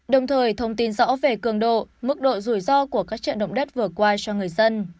đồng thời thông tin rõ về cường độ mức độ rủi ro của các trận động đất vừa qua cho người dân